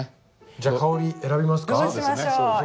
じゃ香り選びますか？